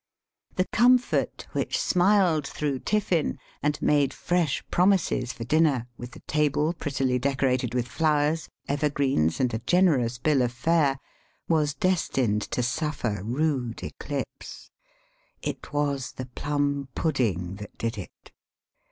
The comfort, which smiled through tiflSn and made fresh promises for dinner, with the table prettily decorated with flowers, ever greens, and a generous bill of fare, was destined to suffer rude echpse. It was the plum pudding that did it.